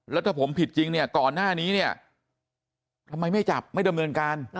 แล้วถ้าผมผิดจริงเนี่ยก่อนหน้านี้เนี่ยทำไมไม่จับไม่ดำเนินการ